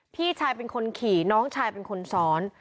พี่ชายเป็นคนขี่น้องชายเป็นคนซ้อน